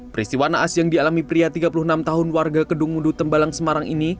peristiwa naas yang dialami pria tiga puluh enam tahun warga kedung mudu tembalang semarang ini